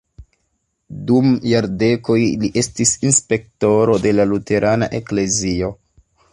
Dum jardekoj li estis inspektoro de la luterana eklezio.